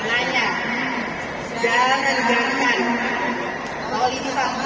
jangan ke sini